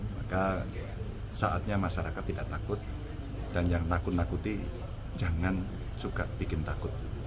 maka saatnya masyarakat tidak takut dan yang nakut nakuti jangan suka bikin takut